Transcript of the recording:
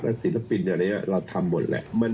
จะว่าศิลปิณ์เงินอะไรอ่ะเราทำหมดแหละ